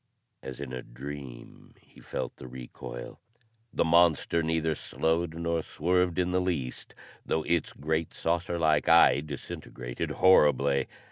As in a dream, he felt the recoil. The monster neither slowed nor swerved in the least, though its great, saucer like eye disintegrated horribly.